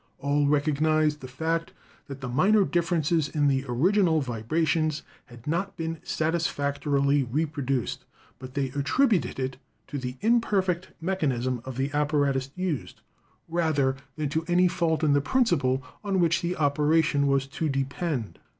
All recognised the fact that the minor differences in the original vibrations had not been satisfactorily reproduced, but they attributed it to the imperfect mechanism of the apparatus used, rather than to any fault in the principle on which the operation was to depend.